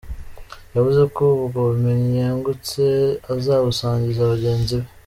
Yavuze ko ubwo bumenyi yungutse azabusangiza bagenzi be.